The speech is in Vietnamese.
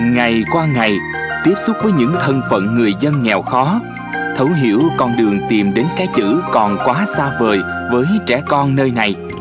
ngày qua ngày tiếp xúc với những thân phận người dân nghèo khó thấu hiểu con đường tìm đến cái chữ còn quá xa vời với trẻ con nơi này